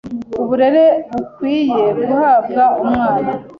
ku burere bukwiye guhabwa umwana,